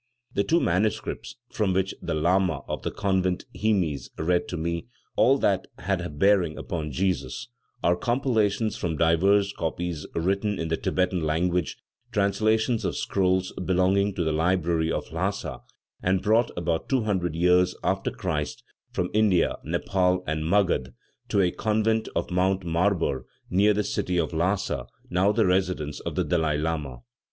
The two manuscripts, from which the lama of the convent Himis read to me all that had a bearing upon Jesus, are compilations from divers copies written in the Thibetan language, translations of scrolls belonging to the library of Lhassa and brought, about two hundred years after Christ, from India, Nepaul and Maghada, to a convent on Mount Marbour, near the city of Lhassa, now the residence of the Dalai Lama.